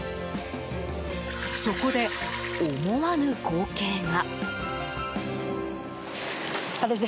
そこで、思わぬ光景が。